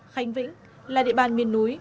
khánh vĩnh là địa bàn miền núi